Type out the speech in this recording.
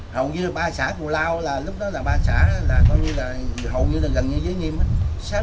hầu như là ba xã của lao là lúc đó là ba xã là hầu như là gần như giới nghiêm hết